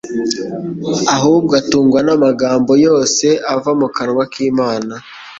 ahubwo atungwa n'amagambo yose ava mu kanwa k'Imana,